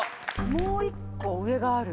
もう１個上がある。